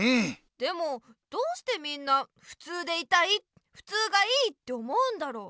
でもどうしてみんなふつうでいたいふつうがいいって思うんだろう？